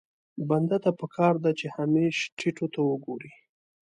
بنده ته پکار ده چې همېش ټيټو ته وګوري.